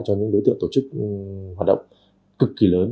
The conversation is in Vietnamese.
cho những đối tượng tổ chức hoạt động cực kỳ lớn